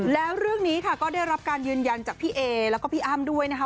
แล้วเรื่องนี้ค่ะก็ได้รับการยืนยันจากพี่เอแล้วก็พี่อ้ำด้วยนะคะ